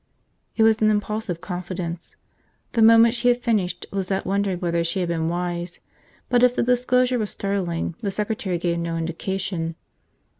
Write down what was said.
It was an impulsive confidence. The moment she had finished, Lizette wondered whether she had been wise. But if the disclosure was startling, the secretary gave no indication.